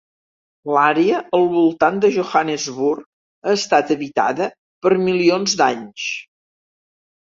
L'àrea al voltant de Johannesburg ha estat habitada per milions d'anys.